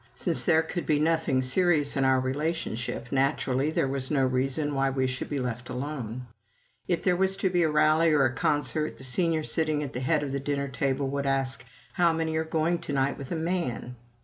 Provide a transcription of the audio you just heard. Since there could be nothing serious in our relationship, naturally there was no reason why we should be left alone. If there was to be a rally or a concert, the Senior sitting at the head of the dinner table would ask, "How many are going to night with a man?"